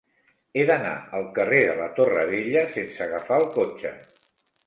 He d'anar al carrer de la Torre Vella sense agafar el cotxe.